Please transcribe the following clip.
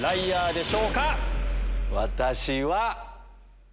私は。